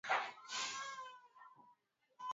Kiswahili kinapendeza